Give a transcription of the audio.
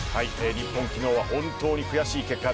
日本、昨日は本当に悔しい結果。